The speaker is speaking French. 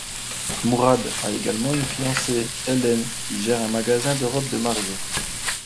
Mourad a également une fiancée, Hélène, qui gère un magasin de robes de mariées.